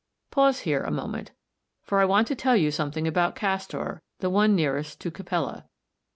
Pause here a moment, for I want to tell you something about Castor, the one nearest to Capella.